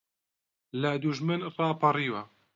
لە دوژمن ڕاپەڕیوە